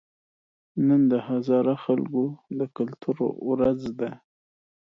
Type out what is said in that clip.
نن د هزاره خلکو د کلتور ورځ ده